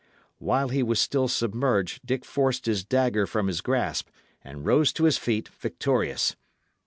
While he was still submerged, Dick forced his dagger from his grasp, and rose to his feet, victorious.